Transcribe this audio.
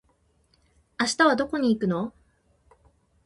明日はどこに行くの？